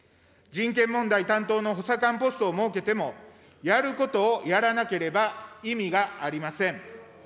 人権問題担当の補佐官ポストを設けても、やることをやらなければ意味がありません。